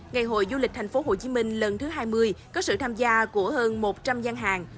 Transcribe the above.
ngày hội du lịch tp hcm lần thứ hai mươi có sự tham gia của hơn một trăm linh gian hàng